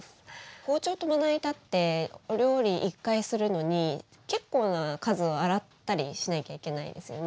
包丁とまな板ってお料理１回するのに結構な数洗ったりしなきゃいけないですよね。